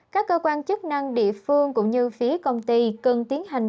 các cơ quan chức năng địa phương cũng như phía công ty cần tiến hành